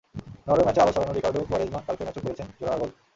Norway ম্যাচে আলো ছড়ানো রিকার্ডো কুয়ারেজমা কালকের ম্যাচেও করেছেন জোড়া গোল।